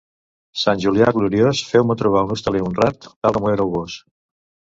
Sant Julià gloriós, feu-me trobar un hostaler honrat, tant com ho éreu vós.